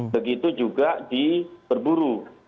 begitu juga di berburu